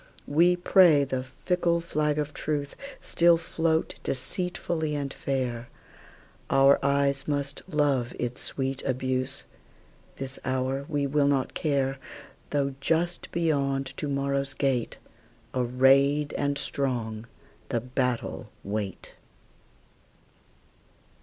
We pray the fickle flag of truceStill float deceitfully and fair; Our eyes must love its sweet abuse; This hour we will not care, Though just beyond to morrow's gate, Arrayed and strong, the battle wait.